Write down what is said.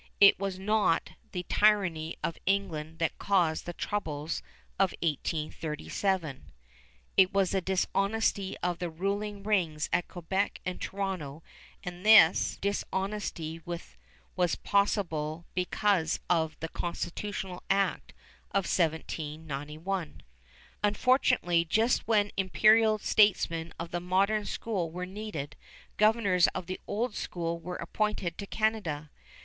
It was not the tyranny of England that caused the troubles of 1837. It was the dishonesty of the ruling rings at Quebec and Toronto, and this dishonesty was possible because of the Constitutional Act of 1791. Unfortunately, just when imperial statesmen of the modern school were needed, governors of the old school were appointed to Canada.